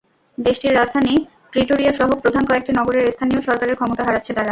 দেশটির রাজধানী প্রিটোরিয়াসহ প্রধান কয়েকটি নগরের স্থানীয় সরকারের ক্ষমতা হারাচ্ছে তারা।